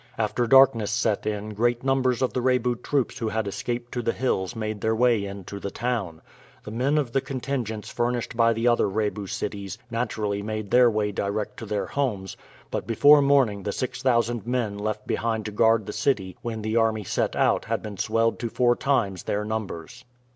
After darkness set in great numbers of the Rebu troops who had escaped to the hills made their way into the town. The men of the contingents furnished by the other Rebu cities naturally made their way direct to their homes, but before morning the six thousand men left behind to guard the city when the army set out had been swelled to four times their numbers.